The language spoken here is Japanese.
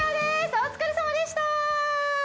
お疲れさまでした！